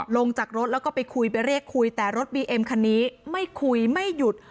ลงจากรถแล้วก็ไปคุยไปเรียกคุยแต่รถบีเอ็มคันนี้ไม่คุยไม่หยุด